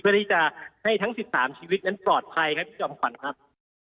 เพื่อที่จะให้ทั้ง๑๓ชีวิตนั้นปลอดภัยครับพี่จอมขวัญครับ